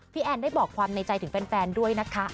แอนได้บอกความในใจถึงแฟนด้วยนะคะ